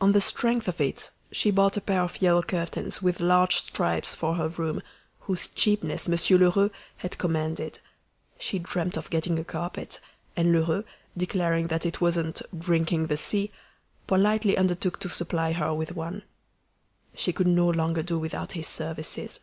On the strength of it she bought a pair of yellow curtains with large stripes for her room, whose cheapness Monsieur Lheureux had commended; she dreamed of getting a carpet, and Lheureux, declaring that it wasn't "drinking the sea," politely undertook to supply her with one. She could no longer do without his services.